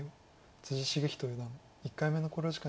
篤仁四段１回目の考慮時間に入りました。